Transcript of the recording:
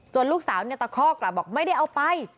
ลูกสาวเนี่ยตะคอกกลับบอกไม่ได้เอาไป